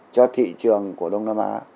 cho thị trường của đông nam á